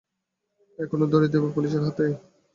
এখনই ধরিয়ে দেব পুলিসের হাতে।